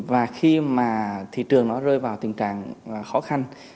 và khi mà thị trường nó rơi vào tình trạng khó khăn